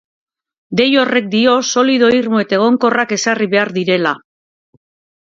Dei horrek dio solido irmo eta egonkorrak ezarri behar direla.